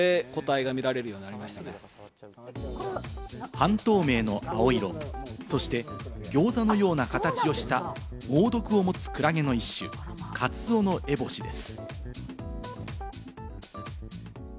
半透明の青色、そしてギョーザのような形をした猛毒を持つクラゲの一種、カツオノエボシです。